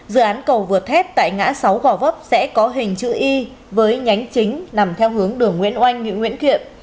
dự án cầu vượt thép tại ngã sáu gò vấp sẽ có hình chữ y với nhánh chính nằm theo hướng đường nguyễn oanh nguyễn kiệm